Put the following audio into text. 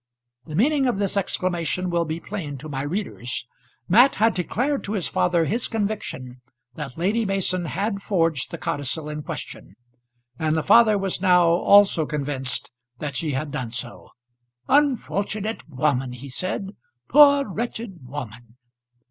The meaning of this exclamation will be plain to my readers. Mat had declared to his father his conviction that Lady Mason had forged the codicil in question, and the father was now also convinced that she had done so. "Unfortunate woman!" he said; "poor, wretched woman!"